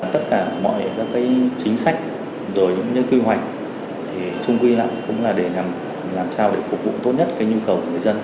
tất cả mọi chính sách kỳ hoạch trung quy lập cũng là để làm sao để phục vụ tốt nhất nhu cầu của người dân